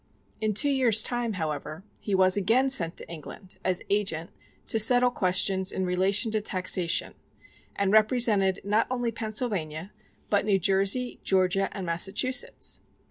In two years' time, however, he was again sent to England as agent to settle questions in relation to taxation, and represented not only Pennsylvania, but New Jersey, Georgia, and Massachusetts.